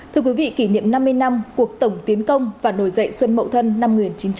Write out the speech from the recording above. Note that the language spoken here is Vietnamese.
thưa quý vị kỷ niệm năm mươi năm cuộc tổng tiến công và nổi dậy xuân mậu thân năm một nghìn chín trăm bảy mươi